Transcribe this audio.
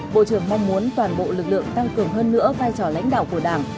bộ trưởng mong muốn toàn bộ lực lượng tăng cường hơn nữa vai trò lãnh đạo của đảng